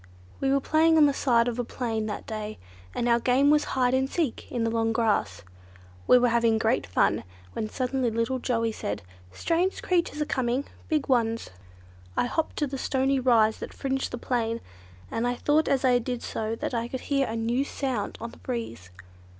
We were playing on the side of a plain that day, and our game was hide and seek in the long grass. We were having great fun, when suddenly little Joey said, 'strange creatures are coming, big ones.' "I hopped up to the stony rise that fringed the plain, and I thought as I did so that I could hear a new sound on the breeze.